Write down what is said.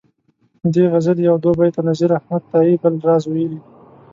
دې غزلي یو دوه بیته نذیر احمد تائي بل راز ویلي.